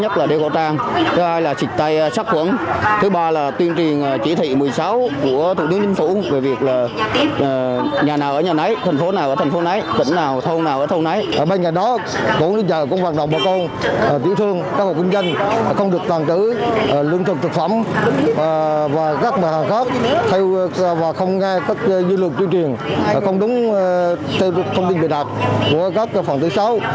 tuyên truyền không đúng thông tin bình đạp của các phần thứ sáu